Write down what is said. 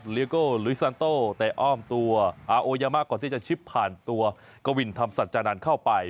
เลียโกลุยซันโตเตะอ้อมตัวอาโอยามาก่อนที่จะชิปผ่านตัวกวินธรรมสัจจานันทร์เข้าไป